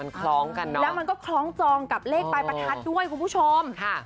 คล้องกันนะแล้วมันก็คล้องจองกับเลขปลายประทัดด้วยคุณผู้ชมค่ะ